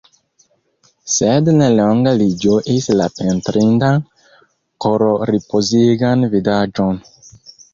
Sed ne longe li ĝuis la pentrindan, kororipozigan vidaĵon.